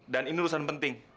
dan ini urusan penting